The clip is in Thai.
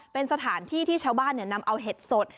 เป็นสถานที่ที่ชาวบ้านนำเอาเห็ดสด